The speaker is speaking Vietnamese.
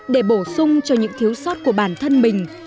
để bổ sung cho những thiếu sót của bản thân mình